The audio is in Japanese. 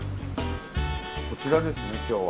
こちらですね今日は。